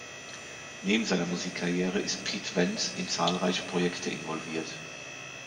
Neben seiner Musikkarriere ist Pete Wentz in zahlreiche Projekte involviert.